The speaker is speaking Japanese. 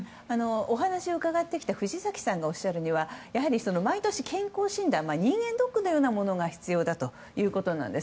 お話を伺ってきた藤崎さんがおっしゃるには毎年、健康診断人間ドックのようなものが必要だということなんです。